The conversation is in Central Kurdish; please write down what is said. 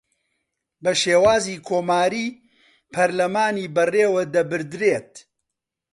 بە شێوازی کۆماریی پەرلەمانی بەڕێوەدەبردرێت